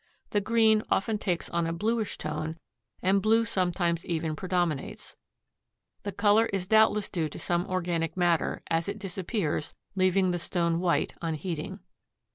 The green often takes on a bluish tone and blue sometimes even predominates. The color is doubtless due to some organic matter, as it disappears, leaving the stone white, on heating.